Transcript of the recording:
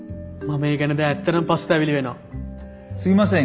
すいません